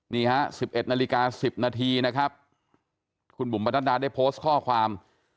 นี่ฮะ๑๑นาฬิกา๑๐นาทีนะครับคุณบุ๋มประนัดดาได้โพสต์ข้อความ